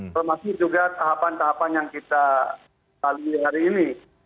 termasuk juga tahapan tahapan yang kita lalui hari ini